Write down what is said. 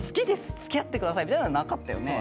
つきあって下さい！」みたいなのはなかったよね？